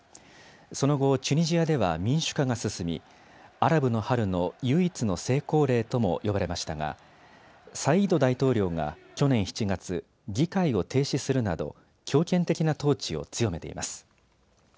その後、チュニジアでは民主化が進みアラブの春の唯一の成功例とも呼ばれましたがサイード大統領が去年７月、議会を停止するなど強権的な統治を強めています。